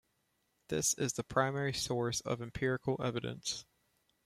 This is the primary source of empirical evidence.